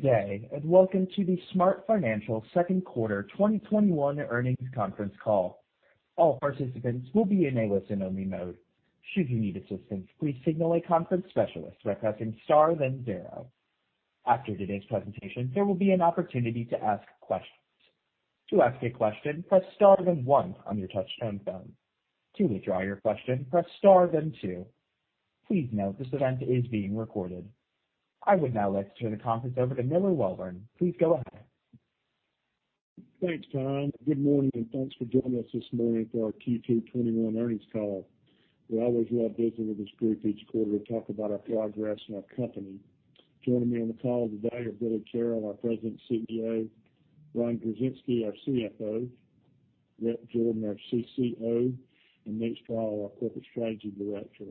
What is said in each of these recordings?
Good day, and welcome to the SmartFinancial second quarter 2021 earnings conference call. I would now like to turn the conference over to Miller Welborn. Please go ahead. Thanks, Tom. Good morning, and thanks for joining us this morning for our Q2 2021 earnings call. We always love visiting with this group each quarter to talk about our progress and our company. Joining me on the call today are Billy Carroll, our President and CEO, Ron Gorczynski, our CFO, Rhett Jordan, our CCO, and Nathan Strall, our Director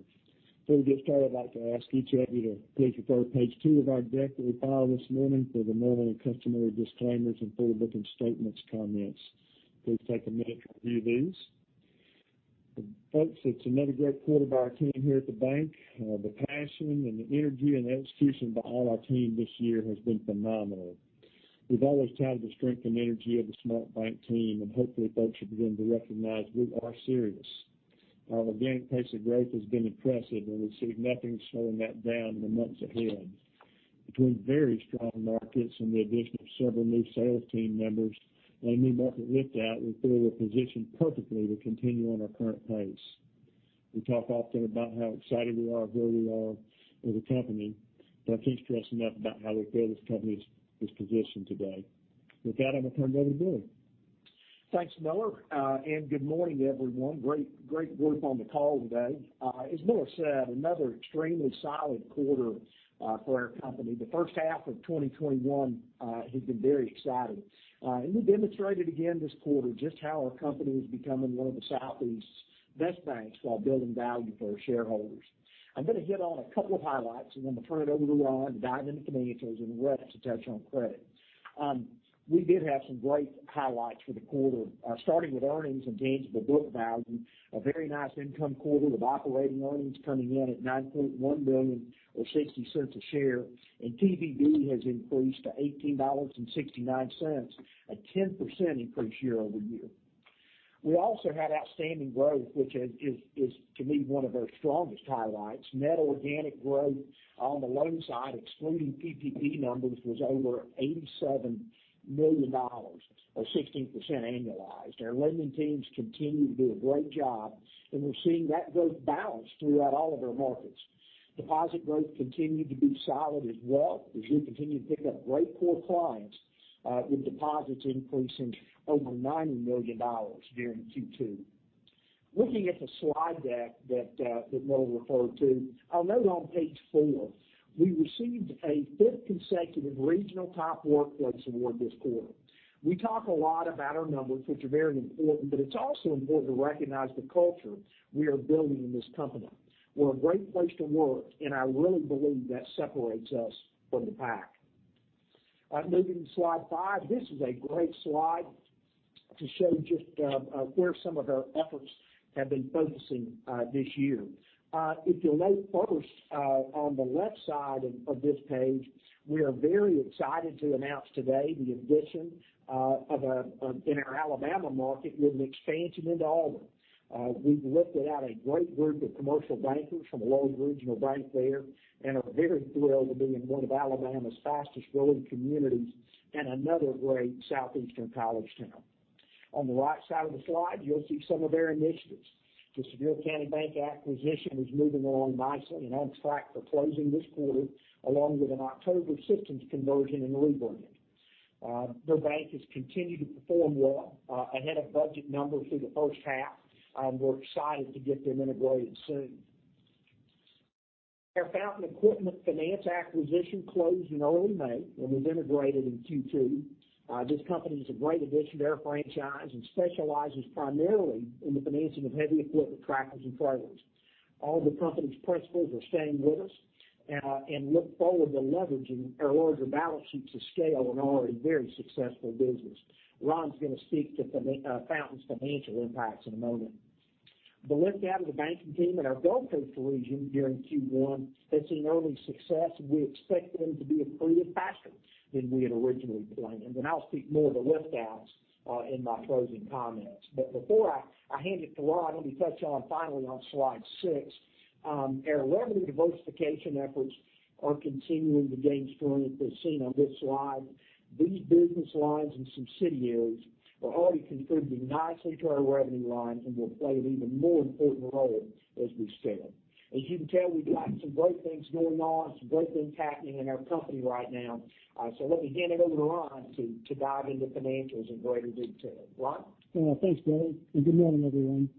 of Investor Relations. Before we get started, I'd like to ask each of you to please refer to page two of our deck that we filed this morning for the normal and customary disclaimers and forward-looking statements comments. Please take a minute to review these. Folks, it's another great quarter by our team here at SmartBank. The passion and the energy, and execution by all our team this year has been phenomenal. We've always touted the strength and energy of the SmartBank team. Hopefully folks are beginning to recognize we are serious. Our organic pace of growth has been impressive. We see nothing slowing that down in the months ahead. Between very strong markets and the addition of several new sales team members and a new market lift-out, we feel we're positioned perfectly to continue on our current pace. We talk often about how excited we are and where we are as a company. I can't stress enough about how we feel this company is positioned today. With that, I'm going to turn it over to Billy. Thanks, Miller. Good morning, everyone. Great work on the call today. As Miller said, another extremely solid quarter for our company. The first half of 2021 has been very exciting. We demonstrated again this quarter just how our company is becoming one of the Southeast's best banks while building value for our shareholders. I'm going to hit on a couple of highlights and then turn it over to Ron to dive into financials and Rhett to touch on credit. We did have some great highlights for the quarter, starting with earnings and tangible book value, a very nice income quarter with operating earnings coming in at $9.1 million, or $0.60 a share, and TBV has increased to $18.69, a 10% increase year-over-year. We also had outstanding growth, which is to me one of our strongest highlights. Net organic growth on the loan side, excluding PPP numbers, was over $87 million, or 16% annualized. Our lending teams continue to do a great job, and we're seeing that growth balanced throughout all of our markets. Deposit growth continued to be solid as well, as we continue to pick up great core clients with deposits increasing over $90 million during Q2. Looking at the slide deck that Miller referred to, I'll note on page four, we received a 5th consecutive regional Top Workplace Award this quarter. We talk a lot about our numbers, which are very important, but it's also important to recognize the culture we are building in this company. We're a great place to work, and I really believe that separates us from the pack. Moving to slide five, this is a great slide to show just where some of our efforts have been focusing this year. If you'll note first on the left side of this page, we are very excited to announce today the addition in our Alabama market with an expansion into Auburn. We've lifted out a great group of commercial bankers from a local regional bank there and are very thrilled to be in one of Alabama's fastest growing communities and another great Southeastern college town. On the right side of the slide, you'll see some of our initiatives. The Sevier County Bank acquisition is moving along nicely and on track for closing this quarter, along with an October systems conversion and rebrand. Their bank has continued to perform well, ahead of budget numbers through the first half, and we're excited to get them integrated soon. Our Fountain Equipment Finance acquisition closed in early May and was integrated in Q2. This company is a great addition to our franchise and specializes primarily in the financing of heavy equipment, tractors, and trailers. All the company's principals are staying with us and look forward to leveraging our larger balance sheet to scale an already very successful business. Ron's going to speak to Fountain's financial impacts in a moment. The lift-out of the banking team in our Gulf Coast region during Q1 has seen early success. We expect them to be accretive faster than we had originally planned. I'll speak more of the lift-outs in my closing comments. Before I hand it to Ron, let me touch on finally on slide six. Our revenue diversification efforts are continuing to gain strength as seen on this slide. These business lines and subsidiaries are already contributing nicely to our revenue line and will play an even more important role as we scale. As you can tell, we've got some great things going on, some great things happening in our company right now. Let me hand it over to Ron to dive into financials in greater detail. Ron? Thanks, Billy, and good morning, everyone.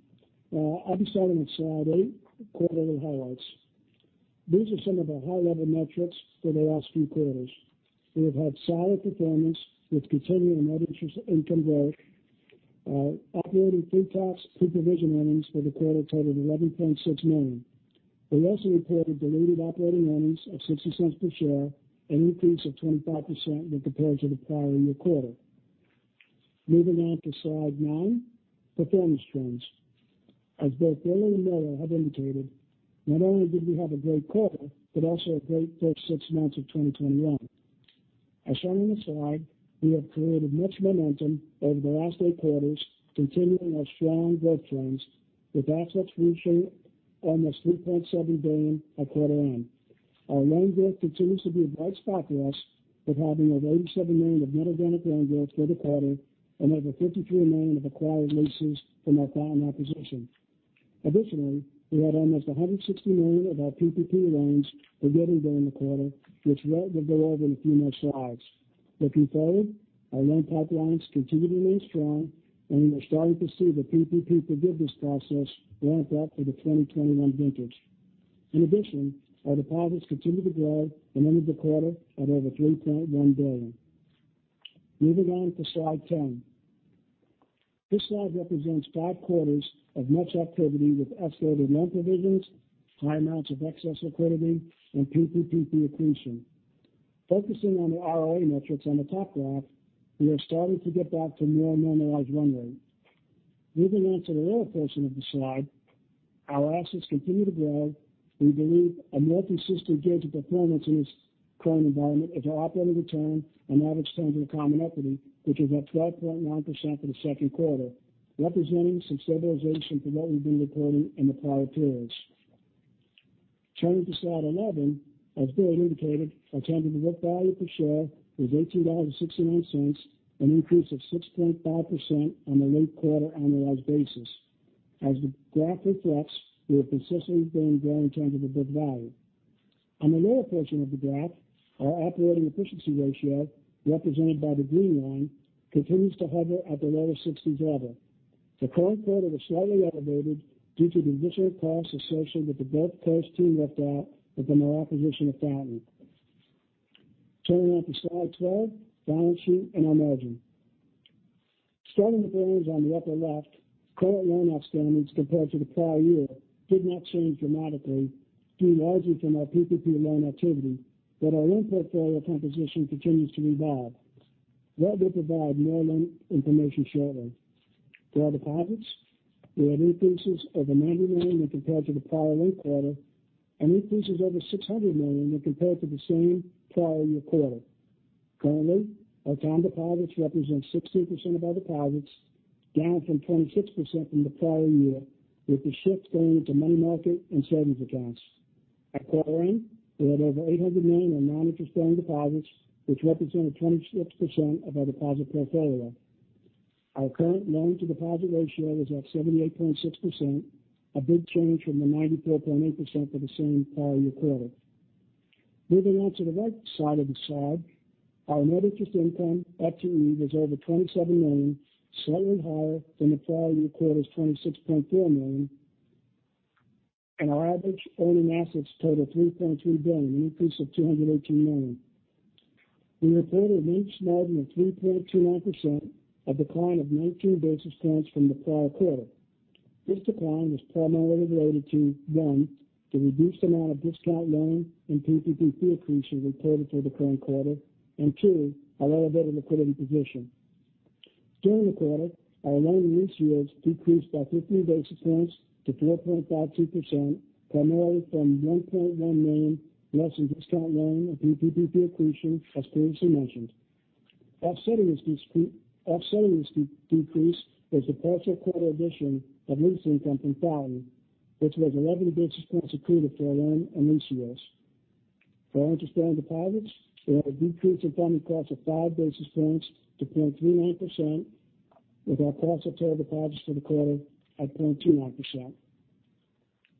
I will be starting with slide eight, quarterly highlights. These are some of our high-level metrics for the last few quarters. We have had solid performance with continuing net interest income growth. Operating pretax pre-provision earnings for the quarter totaled $11.6 million. We also reported diluted operating earnings of $0.60 per share, an increase of 25% when compared to the prior year quarter. Moving on to slide nine, performance trends. As both Billy and Miller have indicated, not only did we have a great quarter, but also a great first six months of 2021. As shown on the slide, we have created much momentum over the last eight quarters, continuing our strong growth trends with assets reaching almost $3.7 billion at quarter end. Our loan growth continues to be a bright spot for us, with having over $87 million of net organic loan growth for the quarter and over $53 million of acquired leases from our Fountain acquisition. Additionally, we had almost $160 million of our PPP loans forgiven during the quarter, which we'll go over in a few more slides. Our loan pipelines continue to remain strong, and we are starting to see the PPP forgiveness process ramp up for the 2021 vintage. Our deposits continue to grow and end the quarter at over $3.1 billion. Moving on to slide 10. This slide represents five quarters of much activity with escalated loan provisions, high amounts of excess liquidity, and PPP fee accretion. Focusing on the ROA metrics on the top graph, we are starting to get back to more normalized run rate. Moving on to the lower portion of the slide, our assets continue to grow. We believe a more consistent gauge of performance in this current environment is our operating return and average return on common equity, which was at 5.9% for the second quarter, representing some stabilization from what we've been recording in the prior periods. Turning to slide 11, as Billy indicated, our tangible book value per share was $18.69, an increase of 6.5% on a linked-quarter annualized basis. As the graph reflects, we have consistently been growing in terms of the book value. On the lower portion of the graph, our operating efficiency ratio, represented by the green line, continues to hover at the lower sixties level. The current quarter was slightly elevated due to the initial costs associated with the Gulf Coast team lift-out with the acquisition of Fountain. Turning now to slide 12, balance sheet and our margin. Starting with earnings on the upper left, current loan outstanding compared to the prior year did not change dramatically due largely from our PPP loan activity. Our loan portfolio composition continues to evolve. Rhett will provide more loan information shortly. For our deposits, we had increases of $90 million when compared to the prior linked quarter and increases over $600 million when compared to the same prior-year quarter. Currently, our time deposits represent 16% of our deposits, down from 26% from the prior year, with the shift going into money market and savings accounts. At quarter end, we had over $800 million in non-interest bearing deposits, which represented 26% of our deposit portfolio. Our current loan-to-deposit ratio was at 78.6%, a big change from the 94.8% for the same prior-year quarter. Moving on to the right side of the slide. Our net interest income, NII, was over $27 million, slightly higher than the prior year quarter's $26.4 million, and our average earning assets total $3.3 billion, an increase of $218 million. We reported a net margin of 3.29%, a decline of 19 basis points from the prior quarter. This decline was primarily related to, one, the reduced amount of discount loan and PPP fee accretion reported for the current quarter, and two, our elevated liquidity position. During the quarter, our loan and lease yields decreased by 50 basis points to 4.52%, primarily from $1.1 million less in discount loan and PPP fee accretion, as previously mentioned. Offsetting this decrease was the partial quarter addition of lease income from Fountain, which was 11 basis points accretive to our loan and lease yields. For our non-interest bearing deposits, we had a decrease in funding cost of 5 basis points to 0.39%, with our cost of total deposits for the quarter at 0.29%.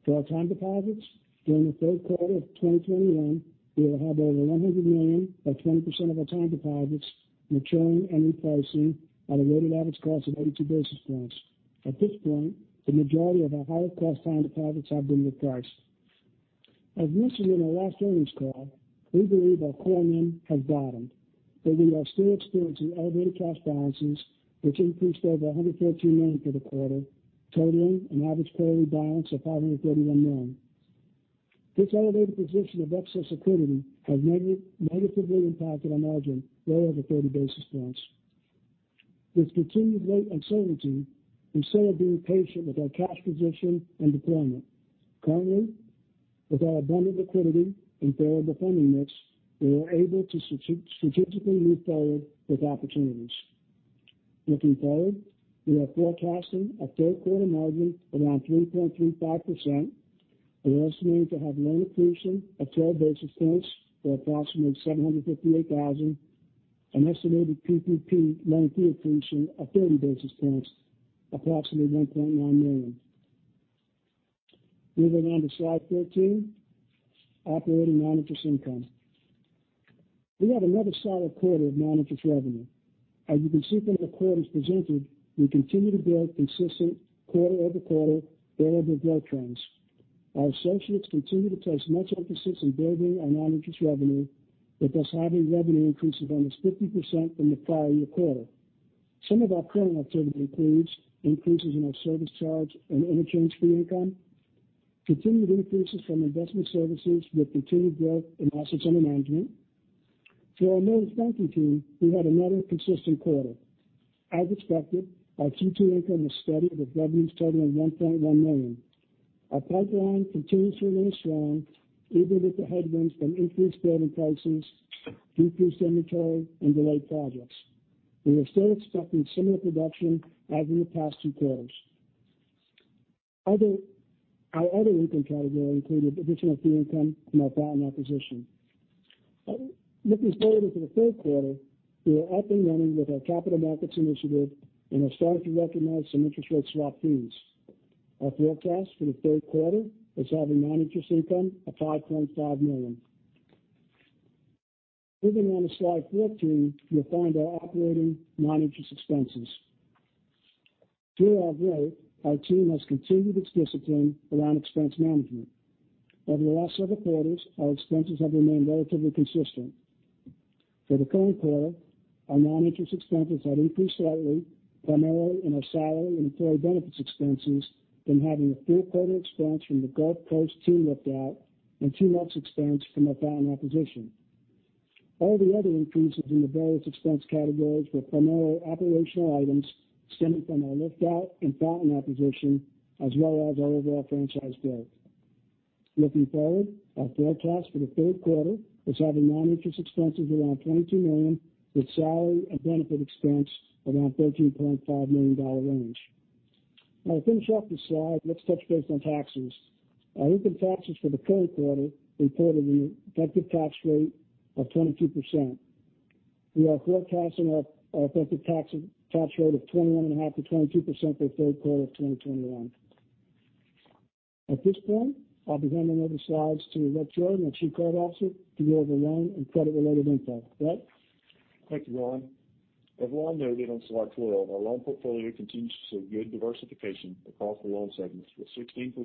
For our time deposits during the first quarter of 2021, we will have over $100 million or 20% of our time deposits maturing and repricing at a weighted average cost of 82 basis points. At this point, the majority of our higher-cost time deposits have been repriced. As mentioned in our last earnings call, we believe our core NIM has bottomed, but we are still experiencing elevated cash balances, which increased over $113 million for the quarter, totaling an average quarterly balance of $531 million. This elevated position of excess liquidity has negatively impacted our margin by over 30 basis points. With continued rate uncertainty, we still are being patient with our cash position and deployment. Currently, with our abundant liquidity and favorable funding mix, we are able to strategically move forward with opportunities. Looking forward, we are forecasting a 3rd quarter margin around 3.35%. We're estimating to have loan accretion of 12 basis points or approximately $758,000, an estimated PPP loan fee accretion of 30 basis points, approximately $1.1 million. Moving on to slide 13, operating non-interest income. We had another solid quarter of non-interest revenue. As you can see from the quarters presented, we continue to build consistent quarter-over-quarter revenue growth trends. Our associates continue to place much emphasis on building our non-interest revenue, with us having revenue increases almost 50% from the prior-year quarter. Some of our current activity includes increases in our service charge and interchange fee income. Continued increases from investment services with continued growth in assets under management. For our mortgage banking team, we had another consistent quarter. As expected, our Q2 income was steady with revenues totaling $1.1 million. Our pipeline continues to remain strong even with the headwinds from increased building prices, decreased inventory, and delayed projects. We are still expecting similar production as in the past two quarters. Our other income category included additional fee income from our Fountain acquisition. Looking forward into the third quarter, we are up and running with our capital markets initiative and are starting to recognize some interest rate swap fees. Our forecast for the third quarter is having non-interest income of $5.5 million. Moving on to slide 14, you'll find our operating non-interest expenses. Here as well, our team has continued its discipline around expense management. Over the last several quarters, our expenses have remained relatively consistent. For the current quarter, our non-interest expenses have increased slightly, primarily in our salary and employee benefits expenses from having a full quarter expense from the Gulf Coast team lift out and two months expense from our Fountain acquisition. All the other increases in the various expense categories were primarily operational items stemming from our lift out and Fountain acquisition, as well as our overall franchise growth. Looking forward, our forecast for the third quarter is having non-interest expenses around $22 million, with salary and benefit expense around $13.5 million range. To finish off this slide, let's touch base on taxes. Our income taxes for the current quarter reported an effective tax rate of 22%. We are forecasting our effective tax rate of 21.5%-22% for the third quarter of 2021. At this point, I'll be handing over the slides to Rhett Jordan, our Chief Credit Officer, to go over loan and credit-related info. Rhett? Thank you, Ron. As Ron noted on slide 12, our loan portfolio continues to show good diversification across the loan segments, with 16%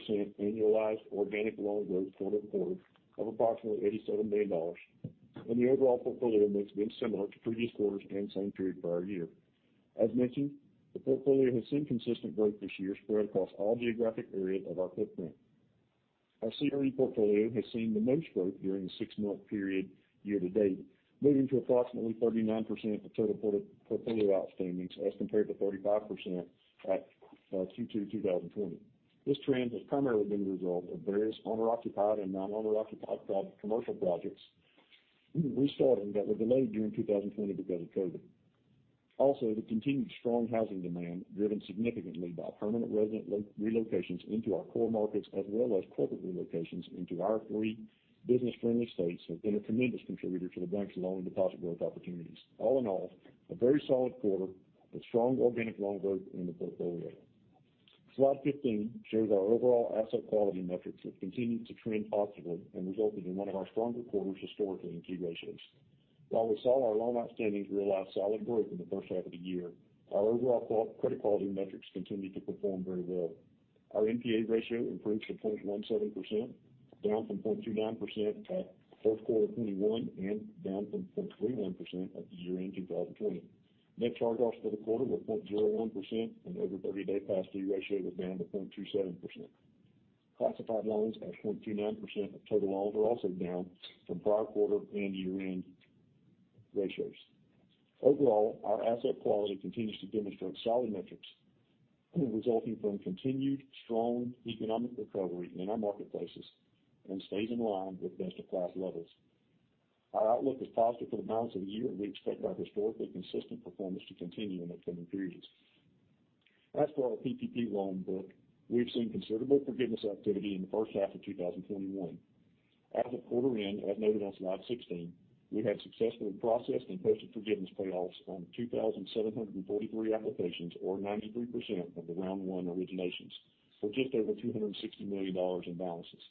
annualized organic loan growth quarter-over-quarter of approximately $87 million, and the overall portfolio mix being similar to previous quarters and the same period prior year. As mentioned, the portfolio has seen consistent growth this year spread across all geographic areas of our footprint. Our CRE portfolio has seen the most growth during the six-month period year to date, moving to approximately 39% of total portfolio outstandings as compared to 35% at Q2 2020. This trend has primarily been the result of various owner-occupied and non-owner occupied commercial projects restarting that were delayed during 2020 because of COVID. The continued strong housing demand, driven significantly by permanent resident relocations into our core markets as well as corporate relocations into our three business-friendly states, have been a tremendous contributor to the bank's loan and deposit growth opportunities. All in all, a very solid quarter with strong organic loan growth in the portfolio. Slide 15 shows our overall asset quality metrics that continued to trend positive and resulted in one of our stronger quarters historically in key ratios. While we saw our loan outstandings realize solid growth in the first half of the year, our overall credit quality metrics continued to perform very well. Our NPA ratio improved to 0.17%, down from 0.29% at first quarter 2021 and down from 0.31% at the year-end 2020. Net charge-offs for the quarter were 0.01%, and the over 30-day past due ratio was down to 0.27%. Classified loans at 0.29% of total loans are also down from prior quarter and year-end ratios. Overall, our asset quality continues to demonstrate solid metrics resulting from continued strong economic recovery in our marketplaces and stays in line with best-of-class levels. Our outlook is positive for the balance of the year, and we expect our historically consistent performance to continue in upcoming periods. As for our PPP loan book, we've seen considerable forgiveness activity in the first half of 2021. As of quarter end, as noted on slide 16, we have successfully processed and posted forgiveness payoffs on 2,743 applications or 93% of the round one originations for just over $260 million in balances.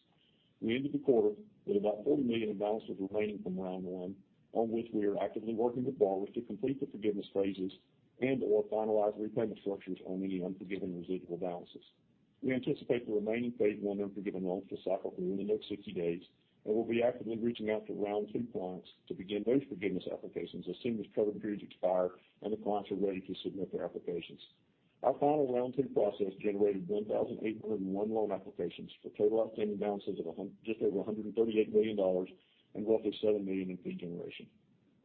We ended the quarter with about $40 million in balances remaining from round one, on which we are actively working with borrowers to complete the forgiveness phases and/or finalize repayment structures on any unforgiven residual balances. We anticipate the remaining phase one unforgiven loans to cycle through in the next 60 days, and we'll be actively reaching out to round two clients to begin those forgiveness applications as soon as covered periods expire and the clients are ready to submit their applications. Our final round two process generated 1,801 loan applications for total outstanding balances of just over $138 million and roughly $7 million in fee generation.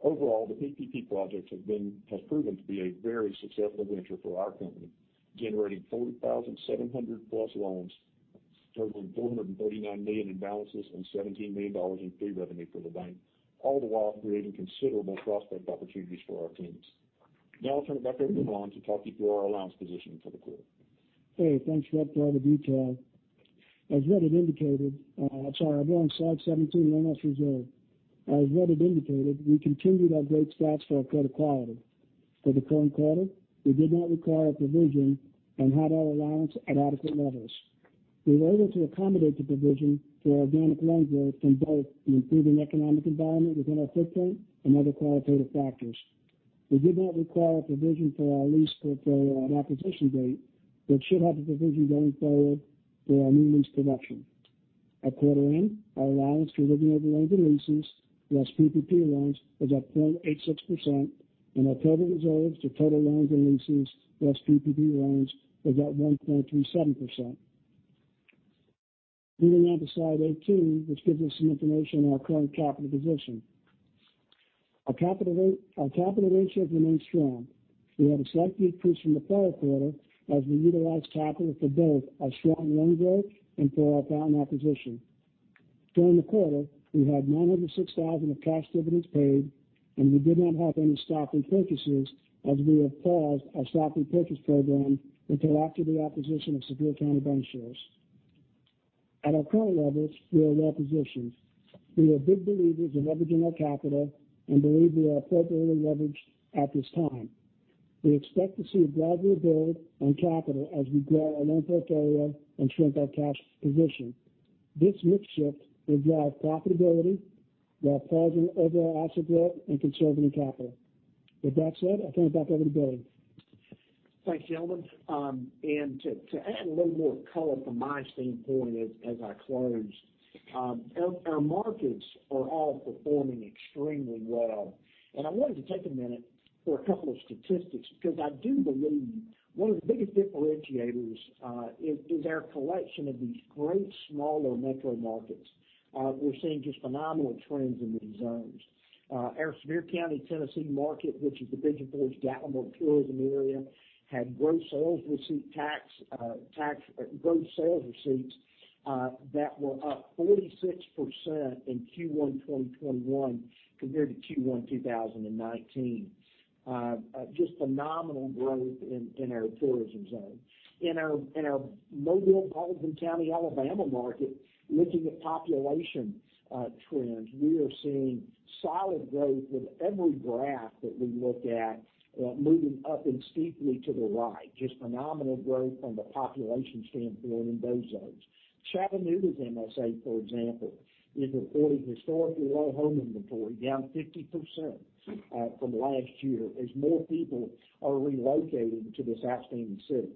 Overall, the PPP projects have proven to be a very successful venture for our company, generating 4,700 plus loans totaling $439 million in balances and $17 million in fee revenue for the bank, all the while creating considerable prospect opportunities for our teams. Now I'll turn it back over to Ron to talk you through our allowance position for the quarter. Hey, thanks, Rhett, for all the detail. I'm sorry, going to slide 17, loan loss reserve. As Rhett had indicated, we continued our great stats for our credit quality. For the current quarter, we did not require a provision and had our allowance at adequate levels. We were able to accommodate the provision for our organic loan growth from both the improving economic environment within our footprint and other qualitative factors. We did not require a provision for our lease portfolio on acquisition date, but should have a provision going forward for our new lease production. At quarter end, our allowance for loans and leases less PPP loans was at 0.86%, and our credit reserves to total loans and leases less PPP loans was at 1.37%. Moving on to slide 18, which gives us some information on our current capital position. Our capital ratios remain strong. We had a slight decrease from the third quarter as we utilized capital for both our strong loan growth and for our Fountain acquisition. During the quarter, we had $906,000 of cash dividends paid, and we did not have any stock repurchases as we have paused our stock repurchase program until after the acquisition of Sevier County Bank shares. At our current levels, we are well positioned. We are big believers in leveraging our capital and believe we are appropriately leveraged at this time. We expect to see a gradual build on capital as we grow our loan portfolio and shrink our cash position. This mix shift will drive profitability while pausing overall asset growth and conserving capital. With that said, I turn it back over to Billy. Thanks, gentlemen. To add a little more color from my standpoint as I close, our markets are all performing extremely well. I wanted to take a minute for a couple of statistics because I do believe one of the biggest differentiators is our collection of these great smaller metro markets. We're seeing just phenomenal trends in these zones. Our Sevier County, Tennessee market, which is the Pigeon Forge, Gatlinburg tourism area, had gross sales receipts that were up 46% in Q1 2021 compared to Q1 2019. Just phenomenal growth in our tourism zone. Our Mobile, Baldwin County, Alabama market, looking at population trends, we are seeing solid growth with every graph that we look at moving up and steeply to the right, just phenomenal growth from the population standpoint in those zones. Chattanooga's MSA, for example, is reporting historically low home inventory, down 50% from last year as more people are relocating to this outstanding city.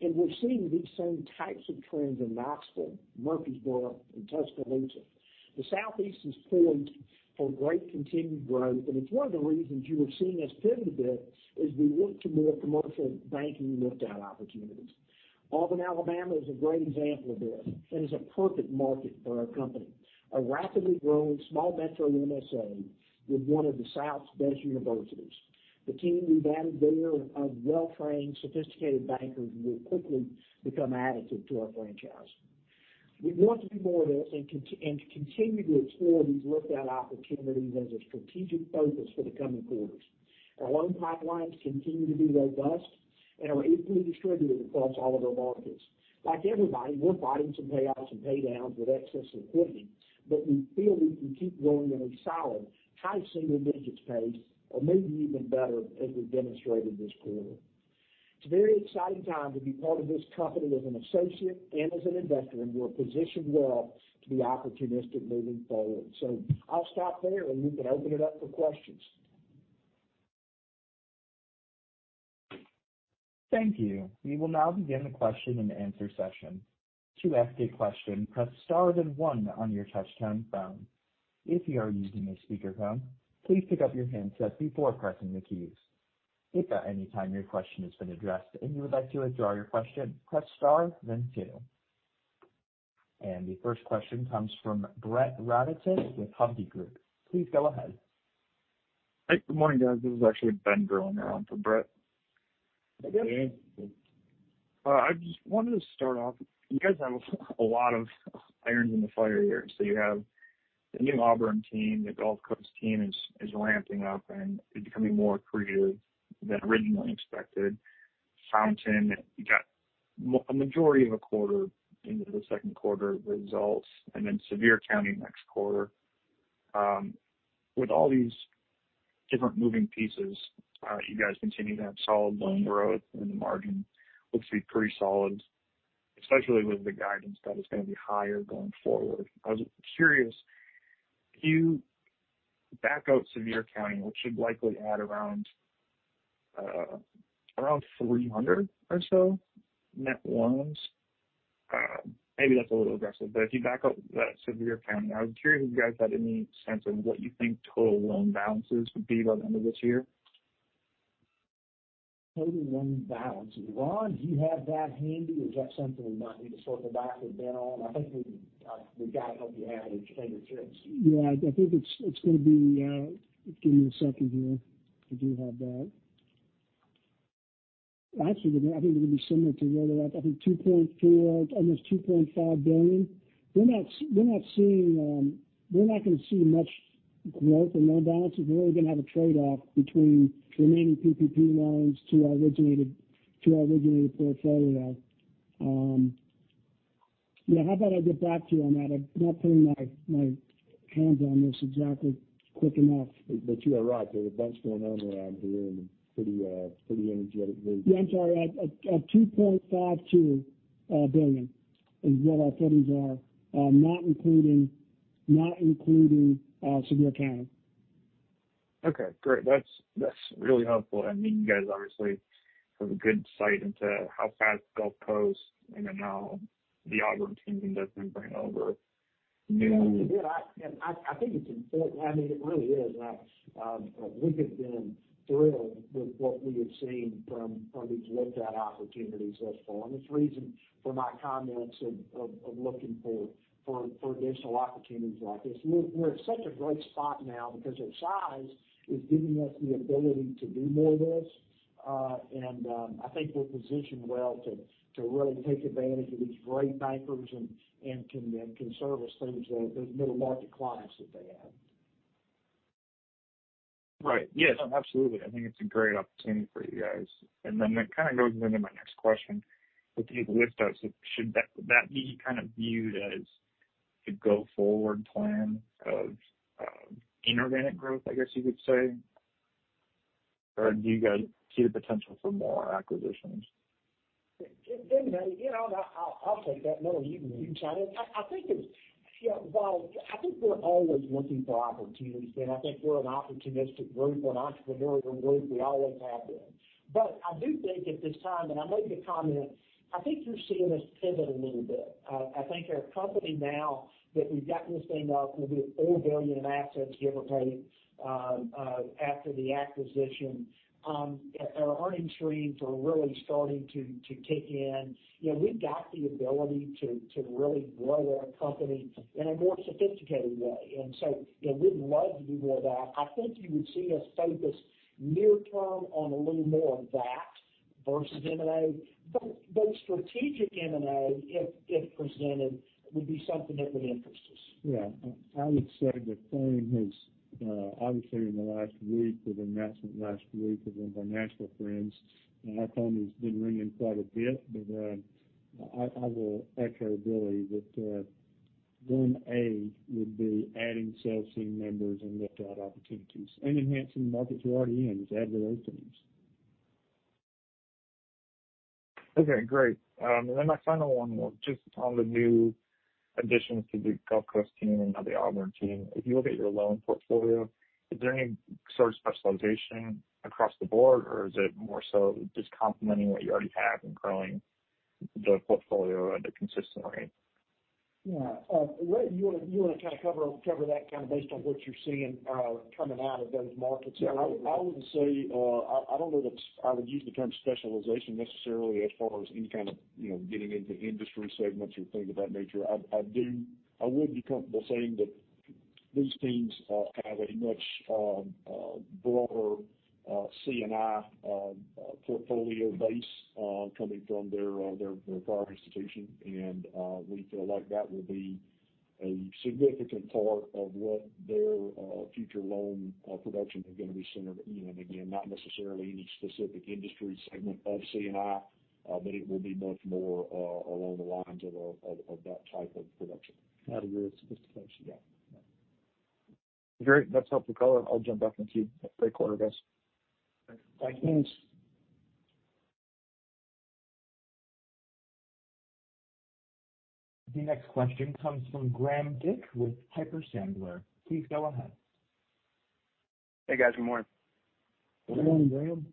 We're seeing these same types of trends in Knoxville, Murfreesboro, and Tuscaloosa. The Southeast is poised for great continued growth, and it's one of the reasons you have seen us pivot a bit as we look to more commercial banking lift-out opportunities. Auburn, Alabama, is a great example of this and is a perfect market for our company, a rapidly growing small metro MSA with one of the South's best universities. The team we've added there of well-trained, sophisticated bankers will quickly become an additive to our franchise. We want to do more of this and to continue to explore these lift-out opportunities as a strategic focus for the coming quarters. Our loan pipelines continue to be robust and are equally distributed across all of our markets. Like everybody, we're fighting some payoffs and pay downs with excess liquidity, but we feel we can keep growing at a solid high single digits pace, or maybe even better, as we've demonstrated this quarter. It's a very exciting time to be part of this company as an associate and as an investor, and we're positioned well to be opportunistic moving forward. I'll stop there, and we can open it up for questions. Thank you. We will now begin the question-and-answer session. To ask a question, press star then one on your touch-tone phone. If you are using a speaker phone, please pick up your handset before pressing the keys. If at any time your question has been addressed and you are about to withdraw your question, press star then two. The first question comes from Brett Rabatin with Hovde Group. Please go ahead. Hi. Good morning, guys. This is actually Ben Gerlinger for Brett. Hi, Ben. I just wanted to start off, you guys have a lot of irons in the fire here. You have the new Auburn team, the Gulf Coast team is ramping up and becoming more accretive than originally expected. Fountain, you got a majority of a quarter into the second quarter results, and then Sevier County next quarter. With all these different moving pieces, you guys continue to have solid loan growth, and the margin looks to be pretty solid, especially with the guidance that it's going to be higher going forward. I was curious, if you back out Sevier County, which would likely add around 300 or so net loans. Maybe that's a little aggressive, but if you back out Sevier County, I was curious if you guys had any sense of what you think total loan balances would be by the end of this year. Total loan balances. Ron, do you have that handy, or is that something we might need to circle back with Ben on? I think we've got to have you have it at your fingertips. Yeah, I think it's going to be. Give me a second here. I do have that. Actually, I think it would be similar to where they're at, I think $2.4 billion, almost $2.5 billion. We're not going to see much growth in loan balances. We're only going to have a trade-off between remaining PPP loans to our originated portfolio. How about I get back to you on that? I'm not putting my hands on this exactly quick enough. You are right. There's a bunch going on around here and pretty energetic group. Yeah, I'm sorry. At $2.52 billion is what our totals are, not including Sevier County. Okay, great. That's really helpful. You guys obviously have a good insight into how fast Gulf Coast and then now the Auburn team can definitely bring over. Yeah. I think it's important. It really is. We have been thrilled with what we have seen from these lift-out opportunities thus far. It's the reason for my comments of looking for additional opportunities like this. We're in such a great spot now because our size is giving us the ability to do more of this. I think we're positioned well to really take advantage of these great bankers and can then service those middle-market clients that they have. Right. Yes, absolutely. I think it's a great opportunity for you guys. That goes into my next question. With these lift-outs, should that be viewed as the go-forward plan of inorganic growth, I guess you could say? Do you guys see the potential for more acquisitions? I'll take that. Miller, you can chime in. I think we're always looking for opportunities, and I think we're an opportunistic group, an entrepreneurial group. We always have been. I do think at this time, and I'll make a comment, I think you're seeing us pivot a little bit. I think our company now that we've gotten this thing up, we'll be at $4 billion in assets, give or take, after the acquisition. Our earnings streams are really starting to kick in. We've got the ability to really grow our company in a more sophisticated way. We'd love to do more of that. I think you would see us focus near-term on a little more of that versus M&A. Strategic M&A, if presented, would be something that would interest us. Yeah. I would say the phone has, obviously in the last week with announcement last week of one of our national friends, our phone has been ringing quite a bit. I will echo Billy that, one, would be adding sales team members and lift-out opportunities and enhancing the markets we're already in to add to those teams. Okay, great. My final one, just on the new additions to the Gulf Coast team and now the Auburn team. If you look at your loan portfolio, is there any sort of specialization across the board, or is it more so just complementing what you already have and growing the portfolio at a consistent rate? Yeah. Rhett, you want to cover that based on what you're seeing coming out of those markets? Yeah. I don't know that I would use the term specialization necessarily as far as any kind of getting into industry segments or things of that nature. I would be comfortable saying that these teams have a much broader C&I portfolio base coming from their prior institution. We feel like that will be a significant part of what their future loan production is going to be centered. Again, not necessarily any specific industry segment of C&I, but it will be much more along the lines of that type of production. Out of your sophistication, yeah. Great. That's helpful color. I'll jump off the queue. Great quarter, guys. Thanks. Thanks. The next question comes from Graham Dick with Piper Sandler. Please go ahead. Hey, guys. Good morning. Good morning, Graham.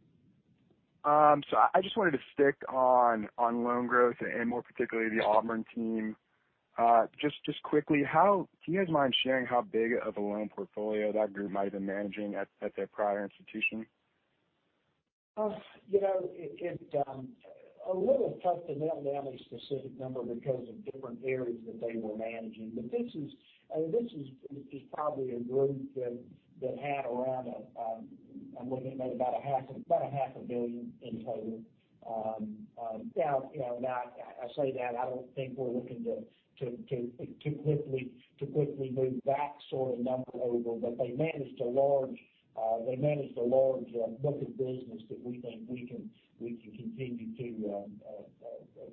I just wanted to stick on loan growth and more particularly the Auburn team. Just quickly, do you guys mind sharing how big of a loan portfolio that group might have been managing at their prior institution? It's a little tough to nail down a specific number because of different areas that they were managing. This is probably a group that had around, I'm looking at maybe about $500 million in total. Now, I say that, I don't think we're looking to quickly move that sort of number over. They managed a large book of business that we think we can continue to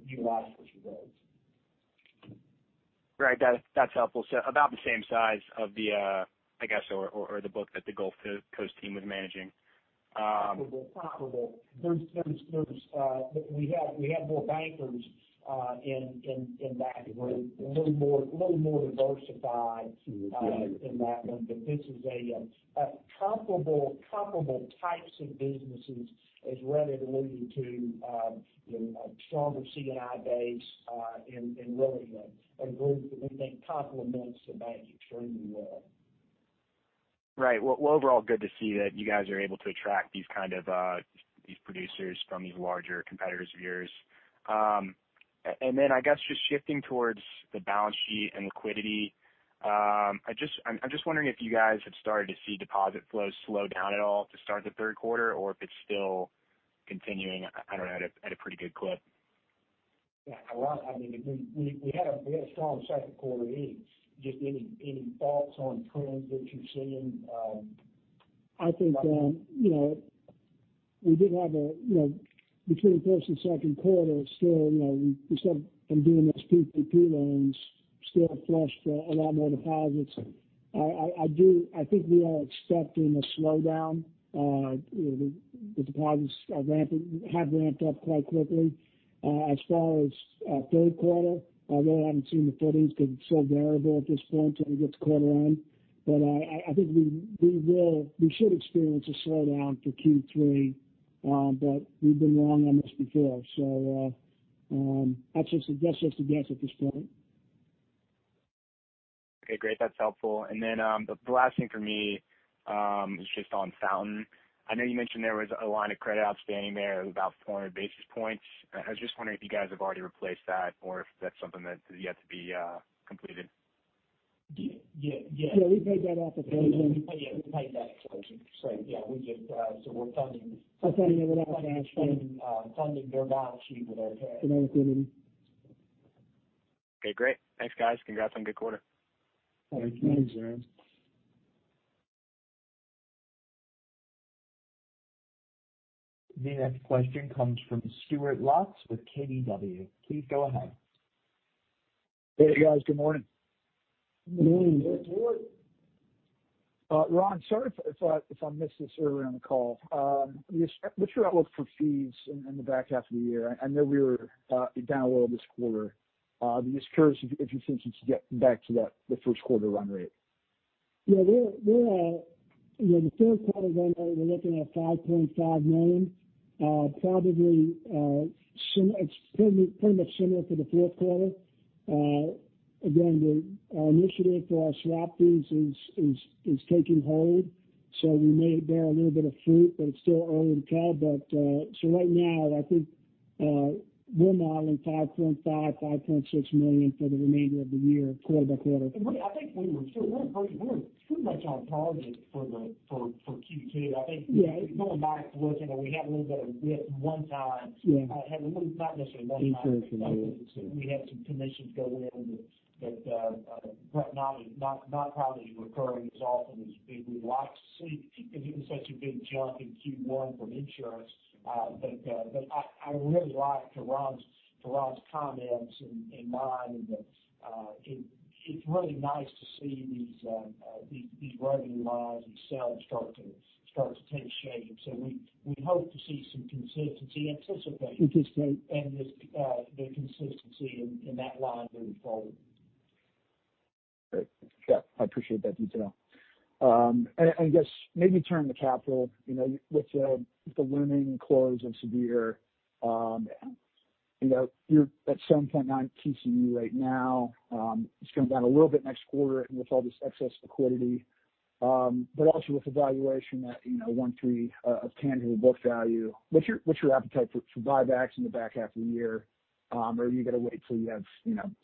utilize, as you would. Right. That's helpful. About the same size of the, I guess, or the book that the Gulf Coast team was managing. Probable. We have more bankers in that group, a little more diversified- Sure. ...in that one. This is a comparable types of businesses, as Rhett alluded to, a stronger C&I base in Auburn. A group that we think complements the bank extremely well. Right. Well, overall, good to see that you guys are able to attract these producers from these larger competitors of yours. Then I guess just shifting towards the balance sheet and liquidity. I'm just wondering if you guys have started to see deposit flows slow down at all to start the third quarter, or if it's still continuing, I don't know, at a pretty good clip? Yeah. We had a strong second quarter anyways. Just any thoughts on trends that you're seeing? I think we did have between first and second quarter, still, we still have been doing those PPP loans, still have flushed a lot more deposits. I think we are expecting a slowdown. The deposits have ramped up quite quickly. As far as third quarter, I really haven't seen the footings because it's so variable at this point till we get the quarter in. I think we should experience a slowdown for Q3. We've been wrong on this before. That's just a guess at this point. Okay, great. That's helpful. The last thing for me is just on Fountain. I know you mentioned there was a line of credit outstanding there of about 400 basis points. I was just wondering if you guys have already replaced that or if that's something that is yet to be completed. Yeah. Yeah, we paid that off at the end of June. Yeah, we paid that. We're funding it with our own cash. Funding their balance sheet with our cash. With our liquidity. Okay, great. Thanks, guys. Congrats on a good quarter. Thank you. Thanks. The next question comes from Stuart Lotz with KBW. Please go ahead. Hey guys, good morning. Good morning. Good morning. Ron, sorry if I missed this earlier in the call. What's your outlook for fees in the back half of the year? I know we were down a little this quarter. Are you curious if you think you should get back to the first quarter run rate? Yeah, the third quarter run rate, we're looking at $5.5 million. It's pretty much similar for the fourth quarter. Again, our initiative for our swap fees is taking hold. We may bear a little bit of fruit, but it's still early to tell. Right now, I think we're modeling $5.5 million, $5.6 million for the remainder of the year, quarter by quarter. I think we were pretty much on target for Q2. Yeah. I think going back and looking, we had a little bit of a blip one time. Yeah. Not necessarily one time. Insurance related. We had some commissions go in that are not probably recurring as often as we'd like to see, because it was such a big jump in Q1 from insurance. I really like to Ron's comments and mine in that it's really nice to see these revenue lines, these sales start to take shape. We hope to see some consistency- Anticipate. ...the consistency in that line moving forward. Great. Yeah, I appreciate that detail. I guess maybe turn to capital. With the looming close of Sevier, you're at 7.9% TCE right now. It's going down a little bit next quarter with all this excess liquidity. Also, with a valuation at 1.3x of tangible book value, what's your appetite for buybacks in the back half of the year? Are you going to wait till you have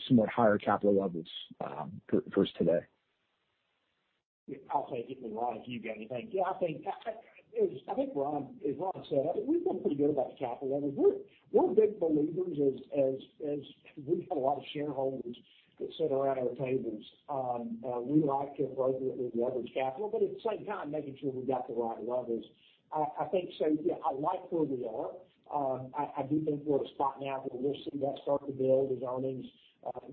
somewhat higher capital levels versus today? I'll take it and Ron, if you've got anything. I think as Ron said, we feel pretty good about the capital. I mean, we're big believers as we've got a lot of shareholders that sit around our tables. We like to appropriately leverage capital, but at the same time, making sure we've got the right levers. I think so, yeah, I like where we are. I do think we're at a spot now where we'll see that start to build as earnings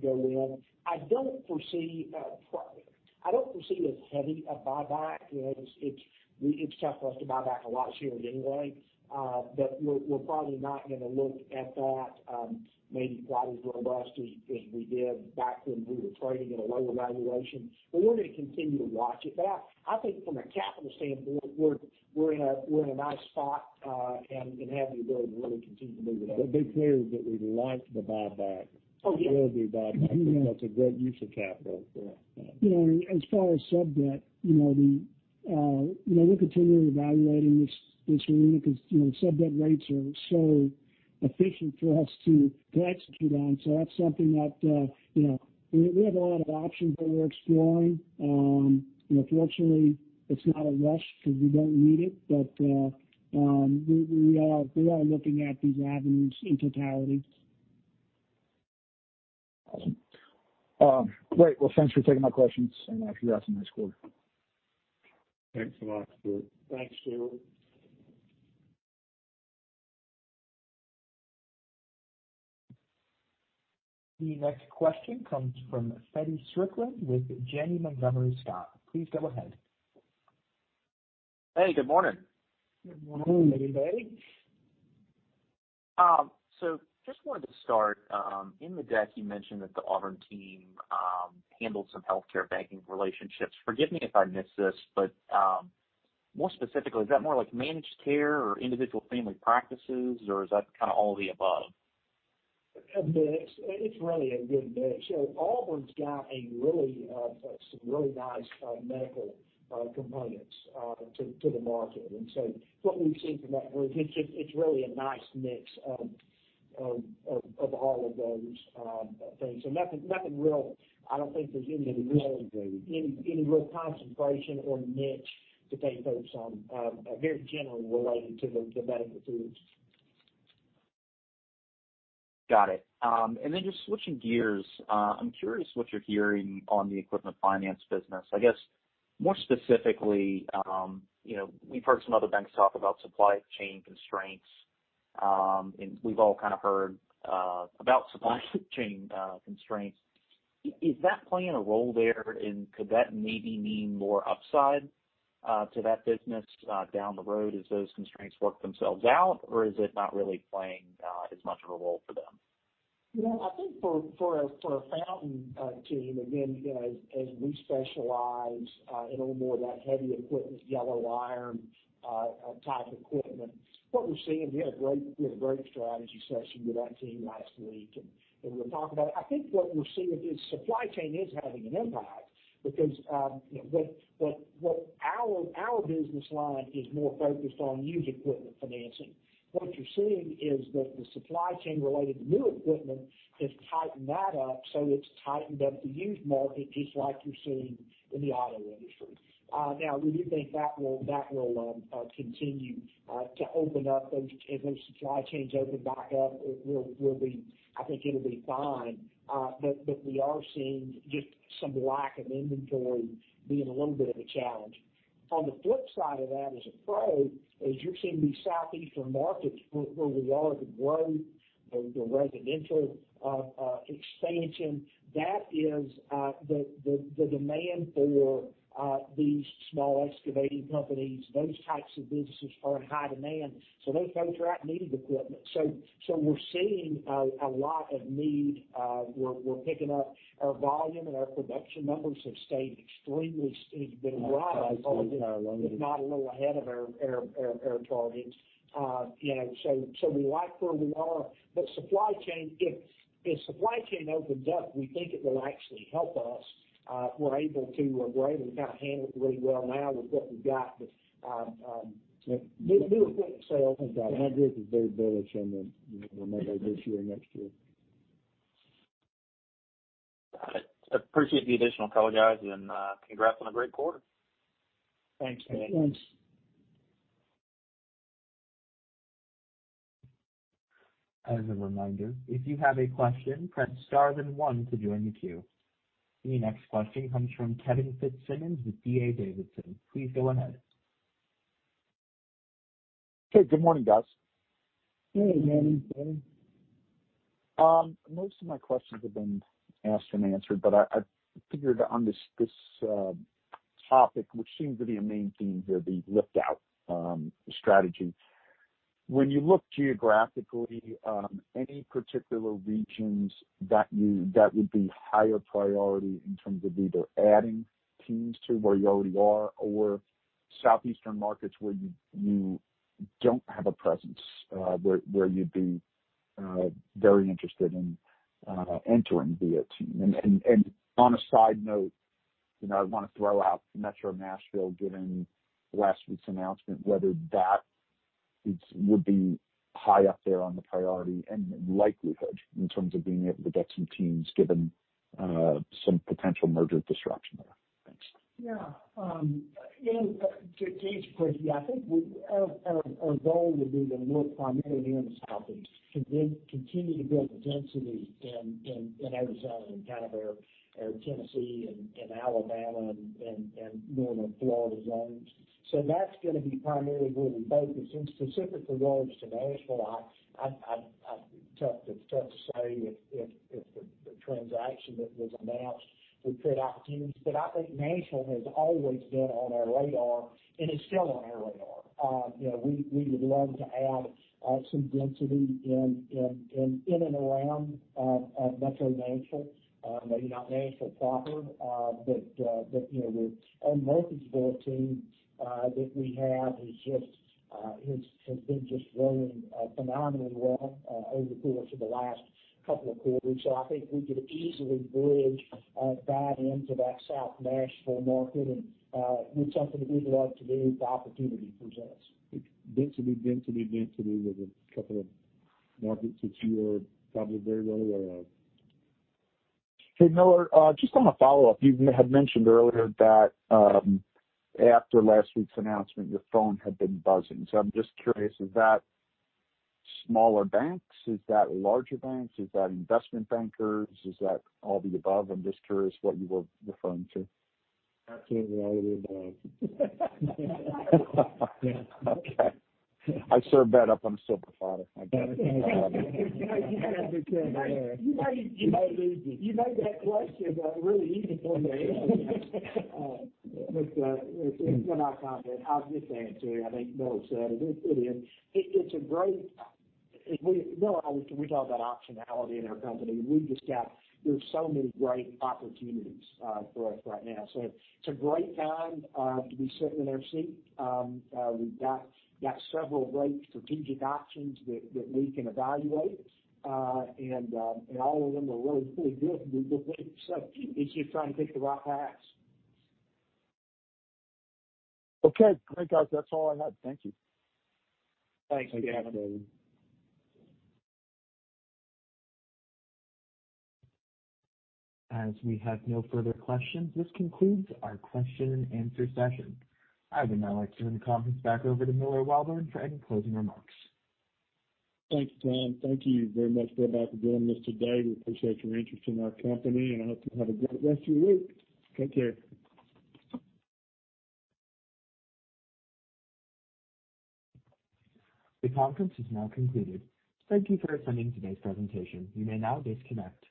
go in. I don't foresee as heavy a buyback. It's tough for us to buy back a lot of shares anyway. We're probably not going to look at that maybe quite as robust as we did back when we were trading at a lower valuation. We're going to continue to watch it. I think from a capital standpoint, we're in a nice spot and have the ability to really continue to move it up. Be clear that we like the buyback. Oh, yeah. We like the buyback. We think that's a great use of capital. Yeah. As far as sub-debt, we're continually evaluating this arena because sub-debt rates are so efficient for us to execute on. That's something that we have a lot of options that we're exploring. Fortunately, it's not a rush because we don't need it. We are looking at these avenues in totality. Awesome. Great. Thanks for taking my questions and congrats on a nice quarter. Thanks a lot, Stuart. Thanks, Stuart. The next question comes from Feddie Strickland with Janney Montgomery Scott. Please go ahead. Hey, good morning. Good morning. Good morning. Just wanted to start. In the deck, you mentioned that the Auburn team handled some healthcare banking relationships. Forgive me if I missed this, but more specifically, is that more like managed care or individual family practices, or is that kind of all the above? A mix. It's really a good mix. Auburn's got some really nice medical components to the market. What we've seen from that, it's really a nice mix of all of those things. Nothing real. I don't think there's any. Any real concentration or niche that they focus on. Very generally related to the medical field. Got it. Just switching gears. I'm curious what you're hearing on the equipment finance business. I guess more specifically, we've heard some other banks talk about supply chain constraints. We've all kind of heard about supply chain constraints. Is that playing a role there? Could that maybe mean more upside to that business down the road as those constraints work themselves out? Is it not really playing as much of a role for them? I think for our Fountain team, again, as we specialize in a little more of that heavy equipment, yellow iron type equipment, what we're seeing, we had a great strategy session with that team last week. We were talking about it. I think what we're seeing is supply chain is having an impact because our business line is more focused on used equipment financing. What you're seeing is that the supply chain related to new equipment has tightened that up. It's tightened up the used market, just like you're seeing in the auto industry. Now, we do think that will continue to open up. Those supply chains open back up, I think it'll be fine. We are seeing just some lack of inventory being a little bit of a challenge. On the flip side of that, as a pro, as you're seeing these Southeastern markets where we are, the growth, the residential expansion, that is the demand for these small excavating companies. Those types of businesses are in high demand, they folks are out needing equipment. We're seeing a lot of need. We're picking up our volume, our production numbers have stayed extremely, been right on target, if not a little ahead of our targets. We like where we are. Supply chain, if supply chain opens up, we think it will actually help us. We're able to, kind of handle it really well now with what we've got. New equipment sales. I think our group is very bullish on the remainder of this year, next year. Got it. Appreciate the additional color, guys, and congrats on a great quarter. Thanks. Thanks. The next question comes from Kevin Fitzsimmons with D.A. Davidson. Please go ahead. Hey, good morning, guys. Hey, morning, Kevin. Most of my questions have been asked and answered. I figured on this topic, which seems to be a main theme here, the lift-out strategy. When you look geographically, any particular regions that would be higher priority in terms of either adding teams to where you already are or Southeastern markets where you don't have a presence, where you'd be very interested in entering via team? On a side note, I want to throw out Metro Nashville, given last week's announcement, whether that would be high up there on the priority and likelihood in terms of being able to get some teams, given some potential merger disruption there. Thanks. To answer your question, I think our goal would be to look primarily in the Southeast, continue to build density in our zone, in our Tennessee and Alabama and more of the Florida zones. That's going to be primarily where we focus. In specific regards to Nashville, it's tough to say if the transaction that was announced would create opportunities. I think Nashville has always been on our radar and is still on our radar. We would love to add some density in and around Metro Nashville. Maybe not Nashville Proper. Our mortgage build team that we have has been just running phenomenally well over the course of the last couple of quarters. I think we could easily bridge that into that South Nashville market, and it's something that we'd love to do if the opportunity presents. Density, density with a couple of markets which you are probably very well aware of. Hey, Miller, just on a follow-up. You had mentioned earlier that after last week's announcement, your phone had been buzzing. I'm just curious, is that smaller banks? Is that larger banks? Is that investment bankers? Is that all the above? I'm just curious what you were referring to. Absolutely all of the above. Okay. I serve that up on a silver platter. I get it. You made that question a really easy one to answer. When I comment, I'll just add to it. I think Miller said it. Miller, we talk about optionality in our company. There's so many great opportunities for us right now. It's a great time to be sitting in our seat. We've got several great strategic options that we can evaluate. All of them are really, really good. It's just trying to pick the right paths. Okay, great, guys. That's all I had. Thank you. Thanks. Thanks. As we have no further questions, this concludes our question-and-answer session. I would now like to turn the conference back over to Miller Welborn for any closing remarks. Thanks, Tom. Thank you very much for joining us today. We appreciate your interest in our company, and I hope you have a great rest of your week. Take care. The conference is now concluded. Thank you for attending today's presentation. You may now disconnect.